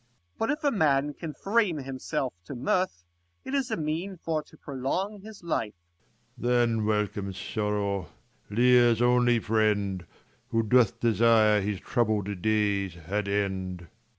Corn. But if a man can frame himself to mirth, 5 It is a mean for to prolong his life. Leir. Then welcome sorrow, Leir's only friend, Who doth desire his troubled days had end.